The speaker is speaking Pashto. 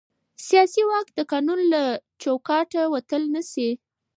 سیاسي واک د قانون له چوکاټه وتل نه شي